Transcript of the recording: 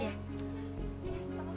sampai jumpa lagi